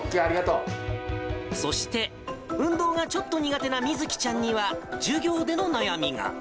そして、運動がちょっと苦手なみづきちゃんには、授業での悩みが。